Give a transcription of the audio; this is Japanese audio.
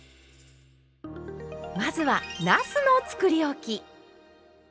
まずはなすのつくりおき。